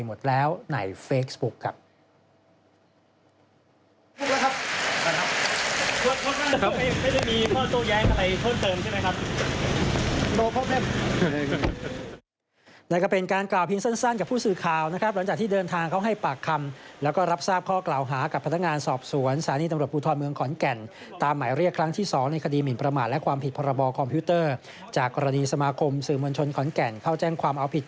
มีแจงไปหมดแล้วในเฟสบุ๊ค